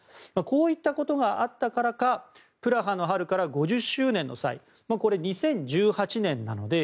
こういったことがあったからかプラハの春から５０周年の際これ、２０１８年なので。